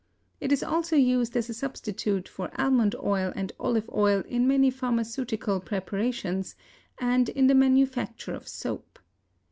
It is also used as a substitute for almond oil and olive oil in many pharmaceutical preparations and in the manufacture of soap.